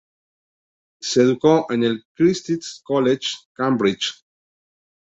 Se educó en el Christ's College, Cambridge.